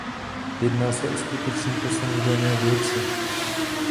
Jedná se o skutečný posun v dané věci.